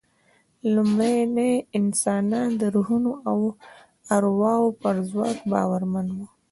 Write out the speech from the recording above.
لومړني انسانان د روحونو او ارواوو پر ځواک باورمن وو.